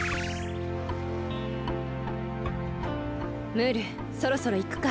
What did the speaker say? ムールそろそろいくか。